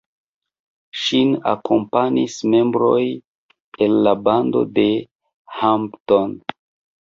Ŝin akompanis membroj el la bando de Hampton.